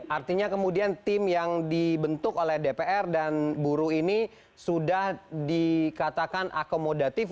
artinya kemudian tim yang dibentuk oleh dpr dan buruh ini sudah dikatakan akomodatif